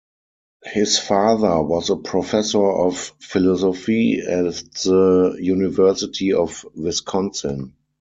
His father was a professor of philosophy at the University of Wisconsin.